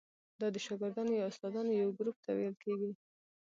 دا د شاګردانو یا استادانو یو ګروپ ته ویل کیږي.